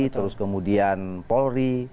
terus kemudian polri